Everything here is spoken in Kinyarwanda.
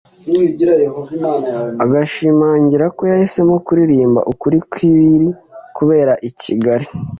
Agashimangira ko yahisemo kuririmba ukuri kw’ibiri kubera i Kigali